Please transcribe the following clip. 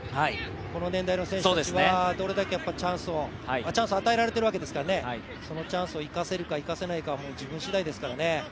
この年代の選手たちは、チャンスを与えられているわけですからね、そのチャンスを生かせるか、生かせないかは自分次第ですからね。